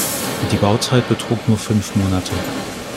Die Bauzeit betrug nur fünf Monate.